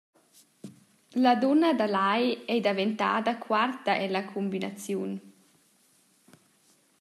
La dunna da Lai ei daventada quarta ella cumbinaziun.